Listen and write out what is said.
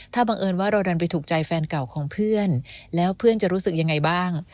ถ้าบังเอิญว่าเราดันไปถูกใจแฟนเก่าของเพื่อนแล้วเพื่อนจะรู้สึกยังไงบ้าง